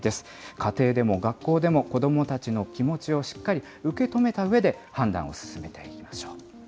家庭でも学校でも、子どもたちの気持ちをしっかり受け止めたうえで判断を進めていきましょう。